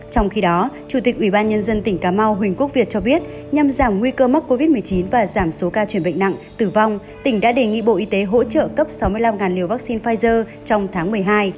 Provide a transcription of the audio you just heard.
trong khi đó chủ tịch ủy ban nhân dân tỉnh cà mau huỳnh quốc việt cho biết nhằm giảm nguy cơ mắc covid một mươi chín và giảm số ca chuyển bệnh nặng tử vong tỉnh đã đề nghị bộ y tế hỗ trợ cấp sáu mươi năm liều vaccine pfizer trong tháng một mươi hai